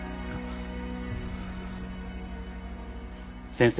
先生